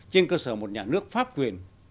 trên cơ sở một nhà nước pháp quyền